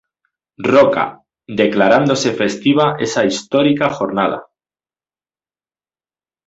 Roca, declarándose festiva esa histórica jornada.